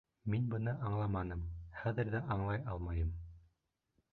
Мин быны аңламаным, хәҙер ҙә аңлай алмайым.